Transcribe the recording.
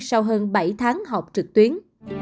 sau hơn bảy tháng học trực tuyến